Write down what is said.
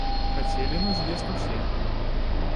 Хацелі на з'езд усе.